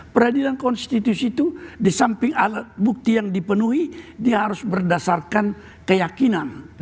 peradilan konstitusi itu di samping alat bukti yang dipenuhi dia harus berdasarkan keyakinan